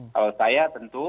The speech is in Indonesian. kalau saya tentu